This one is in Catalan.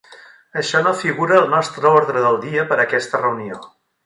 Això no figura al nostre ordre del dia per a aquesta reunió.